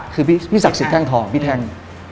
คือพี่ศักดิ์มีทางทองพี่ทาง